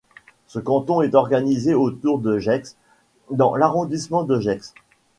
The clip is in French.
Ce canton est organisé autour de Gex dans l'arrondissement de Gex.